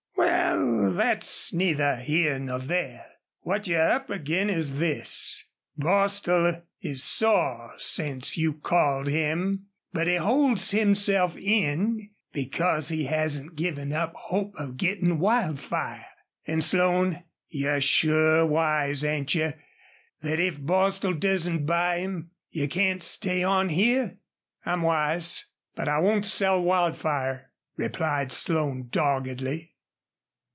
"Wal, thet's neither here nor there. What you're up ag'in is this. Bostil is sore since you called him. But he holds himself in because he hasn't given up hope of gittin' Wildfire. An', Slone, you're sure wise, ain't you, thet if Bostil doesn't buy him you can't stay on here?" "I'm wise. But I won't sell Wildfire," replied Slone, doggedly.